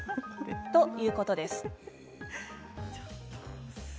ということです。